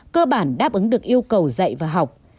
cơ bản đáp ứng được yêu cầu dạy và học